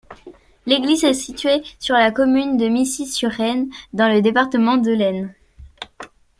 L'église est située sur la commune de Missy-sur-Aisne, dans le département de l'Aisne.